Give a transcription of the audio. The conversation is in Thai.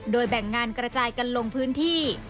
โดยแบ่งงานกระจายกันลงพื้นที่